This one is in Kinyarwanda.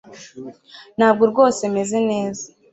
Ntabwo rwose meze neza